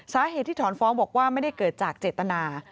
สาเหตุที่ถอนฟ้องบอกว่าไม่ได้เกิดจากเจตนา